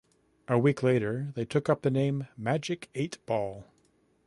A week later, they took up the name Magic Eight Ball.